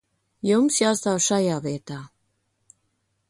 Jums jāstāv šajā vietā.